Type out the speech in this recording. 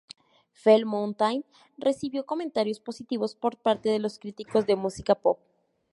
Felt Mountain recibió comentarios positivos por parte de los críticos de música pop.